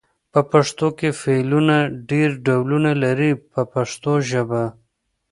په پښتو کې فعلونه ډېر ډولونه لري په پښتو ژبه.